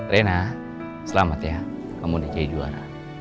rena selamat ya kamu udah jadi juara